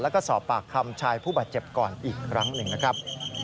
แล้วก็สอบปากคำชายผู้บาดเจ็บก่อนอีกครั้งหนึ่งนะครับ